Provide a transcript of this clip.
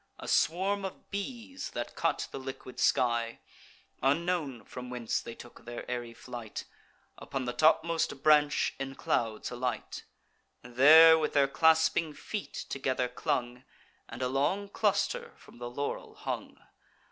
A swarm of bees, that cut the liquid sky, Unknown from whence they took their airy flight, Upon the topmost branch in clouds alight; There with their clasping feet together clung, And a long cluster from the laurel hung.